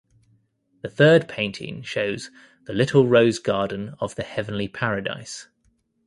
The third painting shows "The Little Rose Garden of the Heavenly Paradise".